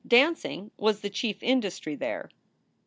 Dancing was the chief industry there.